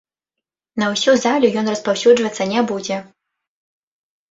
На ўсю залю ён распаўсюджвацца не будзе.